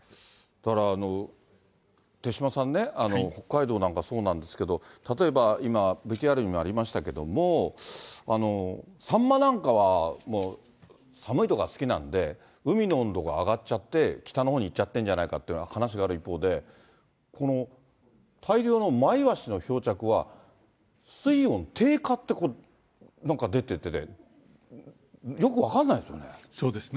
だから、手嶋さんね、北海道なんかそうなんですけど、例えば今、ＶＴＲにもありましたけれども、サンマなんかはもう、寒い所が好きなんで、海の温度が上がっちゃって、北のほうに行っちゃってんじゃないかって話がある一方で、この大量のマイワシの漂着は、水温低下ってなんか出てて、そうですね。